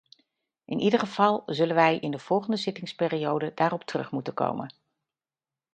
In ieder geval zullen wij in de volgende zittingsperiode daar op terug moeten komen.